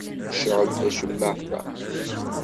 Cɛel tacemmaɛt-a.